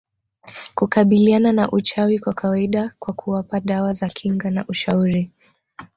kukabiliana na uchawi wa kawaida kwa kuwapa dawa za kinga na ushauri